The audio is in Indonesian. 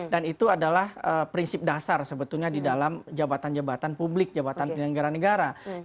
dan itu adalah prinsip dasar sebetulnya di dalam jabatan jabatan publik jabatan penyelenggara negara